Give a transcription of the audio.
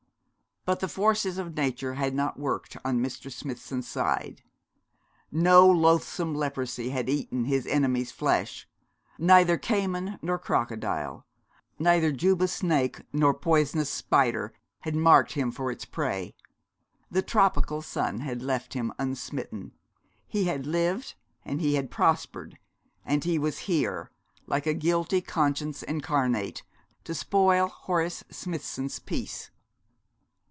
But the forces of nature had not worked on Mr. Smithson's side. No loathsome leprosy had eaten his enemy's flesh; neither cayman nor crocodile, neither Juba snake nor poisonous spider had marked him for its prey. The tropical sun had left him unsmitten. He had lived and he had prospered; and he was here, like a guilty conscience incarnate, to spoil Horace Smithson's peace.